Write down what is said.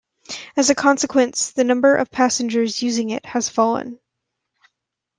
As a consequence, the number of passengers using it has fallen.